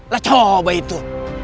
lah coba itu